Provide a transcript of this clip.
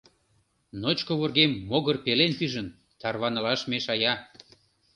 Ночко вургем могыр пелен пижын, тарванылаш мешая.